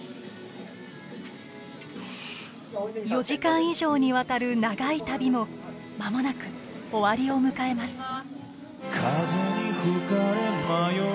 ４時間以上にわたる長い旅も間もなく終わりを迎えます。